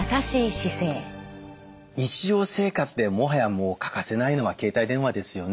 日常生活でもはや欠かせないのは携帯電話ですよね。